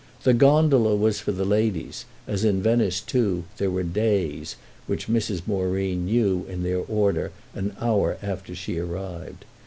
The gondola was for the ladies, as in Venice too there were "days," which Mrs. Moreen knew in their order an hour after she arrived.